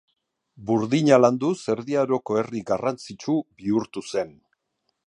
Burdina landuz Erdi Aroko herri garrantzitsu bihurtu zen.